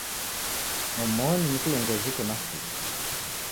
Omoni ni kilongozi uko na suku.